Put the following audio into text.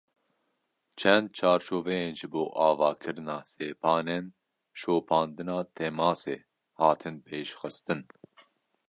Çend çarçoveyên ji bo avakirina sepanên şopandina temasê hatin pêşxistin.